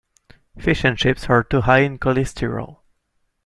Fish and chips are too high in cholesterol.